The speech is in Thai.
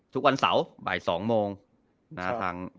ทุกวันเสาร์บ่าย๒โมงนะ